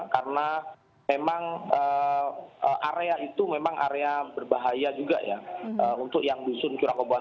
karena memang area itu memang area berbahaya juga ya untuk yang dusun curakoboan